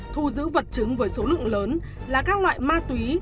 thu giữ vật chứng với số lượng lớn là các loại ma túy